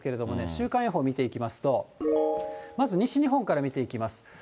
週間予想見ていきますと、まず西日本から見ていきます。